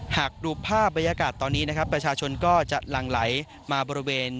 หากดูภาพบรรยากาศตอนนี้นะครับประชาชนก็จะหลั่งไหลมาบริเวณ